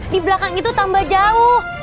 di belakang itu tambah jauh